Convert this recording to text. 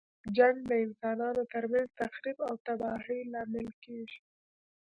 جنګ د انسانانو تر منځ تخریب او تباهۍ لامل کیږي.